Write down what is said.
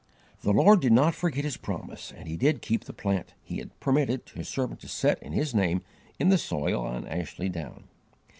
The Lord did not forget His promise, and He did keep the plant He had permitted His servant to set in His name in the soil on Ashley Down.